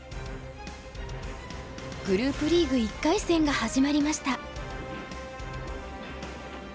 グループリーグ１回戦が始まりました。